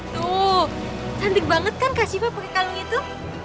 tuh cantik banget kan kak siva pakai kalung itu